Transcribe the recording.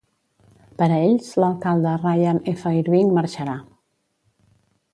Per a ells, l'alcalde Ryan F. Irving marxarà.